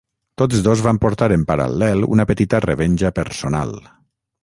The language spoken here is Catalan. Tots dos van portar en paral·lel una petita revenja personal.